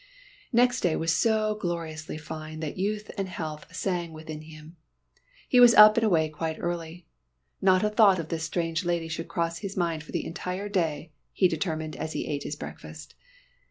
Next day was so gloriously fine that youth and health sang within him. He was up and away quite early. Not a thought of this strange lady should cross his mind for the entire day, he determined as he ate his breakfast.